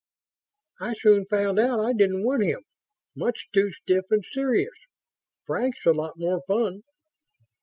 "I soon found out I didn't want him much too stiff and serious. Frank's a lot more fun."